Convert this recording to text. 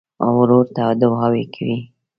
ورور ته دعاوې کوې.